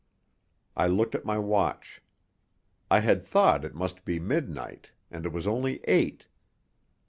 I looked at my watch. I had thought it must be midnight, and it was only eight.